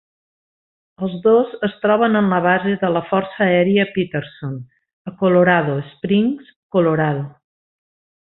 Els dos es troben en la base de la Força Aèria Peterson a Colorado Springs, Colorado.